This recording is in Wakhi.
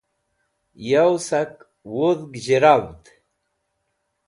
yow sak wudg zhiravd